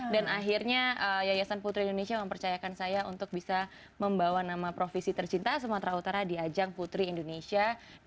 dan akhirnya yayasan putri indonesia mempercayakan saya untuk bisa membawa nama provisi tercinta sumatera utara di ajang putri indonesia dua ribu enam belas